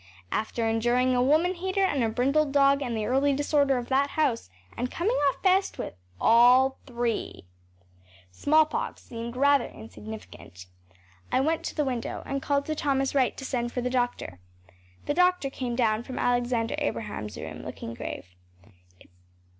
After enduring a woman hater and a brindled dog and the early disorder of that house and coming off best with all three smallpox seemed rather insignificant. I went to the window and called to Thomas Wright to send for the doctor. The doctor came down from Alexander Abraham’s room looking grave.